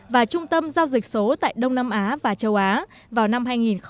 và trung tâm giao dịch số tại đông nam á và châu á vào năm hai nghìn hai mươi